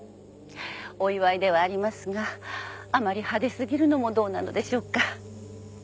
お祝いではありますがあまり派手過ぎるのもどうなのでしょうか？